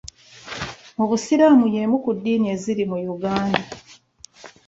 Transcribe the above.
Obusiraamu y'emu ku ddiini eziri mu Uganda.